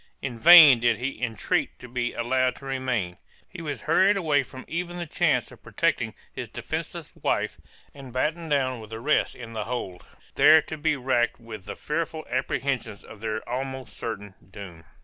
In vain did he entreat to be allowed to remain; he was hurried away from even the chance of protecting his defenceless wife, and battened down with the rest in the hold, there to be racked with the fearful apprehensions of their almost certain doom.